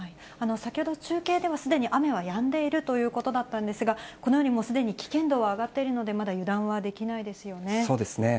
先ほど中継ではすでに雨はやんでいるということだったんですが、このように、もうすでに危険度は上がっているので、まだ油断そうですね。